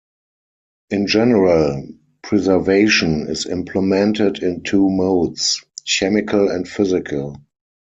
In general, preservation is implemented in two modes, chemical and physical.